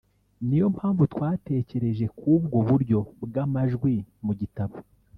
niyo mpamvu twatekereje k’ubwo buryo bw’amajwi mu gitabo